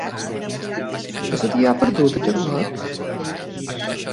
Què se t'hi ha perdut, a Carlet?